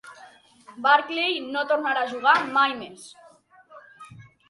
Barkley no tornaria a jugar mai més.